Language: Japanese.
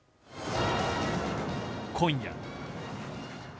今夜。